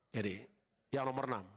jadi yang nomor enam